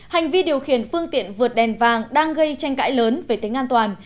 hành vi điều khiển phương tiện vượt đèn vàng đang gây tranh cãi lớn về tính an toàn